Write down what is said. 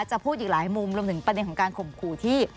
จะพูดอีกหลายมุมรวมถึงประเด็นของการข่มขู่ที่